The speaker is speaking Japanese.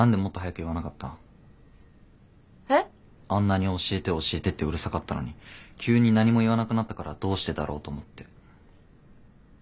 あんなに「教えて教えて」ってうるさかったのに急に何も言わなくなったからどうしてだろうと思って。